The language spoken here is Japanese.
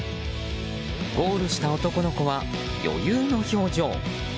ゴールした男の子は余裕の表情。